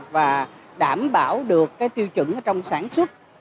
và đảm bảo được cái tiêu chuẩn trong sản xuất